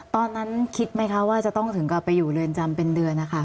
ตอนนั้นคิดไหมคะว่าจะต้องถึงกลับไปอยู่เรือนจำเป็นเดือนนะคะ